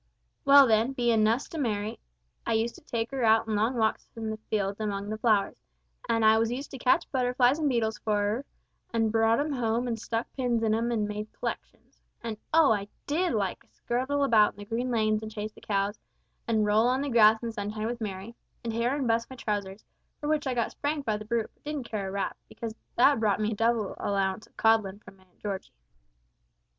"Well then, bein' nuss to Merry, I used to take 'er out long walks in the fields among the flowers, an' I was used to catch butterflies and beetles for 'er, an' brought 'em home an' stuck pins through 'em an' made c'lections; an' oh, I did like to scuttle about the green lanes an' chase the cows, an' roll on the grass in the sunshine with Merry, an' tear an bu'st my trousers, for w'ich I got spanked by the Brute, but didn't care a rap, because that brought me double allowance o' coddlin' from Aunt Georgie.